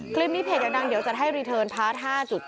คลิปนี้เพจอย่างดังเดี๋ยวจะให้รีเทิร์นพาร์ท๕๒